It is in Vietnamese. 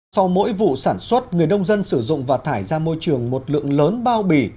sau mỗi vụ sản xuất người nông dân sử dụng và thải ra môi trường một lượng lớn bao bì